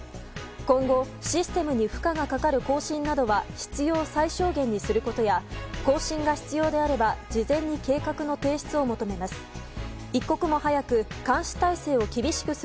今後、システムに負荷がかかる更新などは必要最小限にすることや更新が必要であれば事前に計画の提出を求めます。